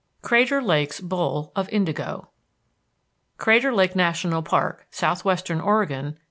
IX CRATER LAKE'S BOWL OF INDIGO CRATER LAKE NATIONAL PARK, SOUTHWESTERN OREGON.